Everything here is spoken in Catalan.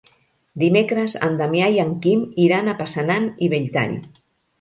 Dimecres en Damià i en Quim iran a Passanant i Belltall.